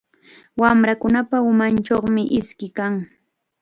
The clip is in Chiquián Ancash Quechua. Wamrakunapa umanchawmi iski kan.